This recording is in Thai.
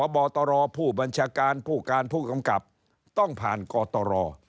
บตรผู้บัญชาการผู้การผู้กำกับต้องผ่านกตร